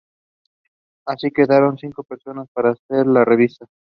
Así, quedaron cinco personas para hacer la revista.